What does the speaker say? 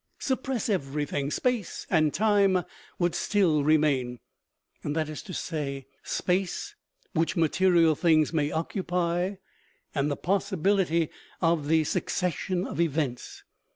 Suppress everything, space and time would still remain ; that is to say, space which material things may occupy, and the pos sibility of the succession of events.